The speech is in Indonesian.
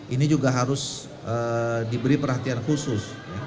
ini juga harus diberi perhatian khusus